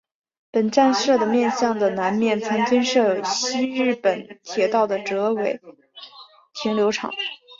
本站舍的面向的南面曾经设有西日本铁道的折尾停留场。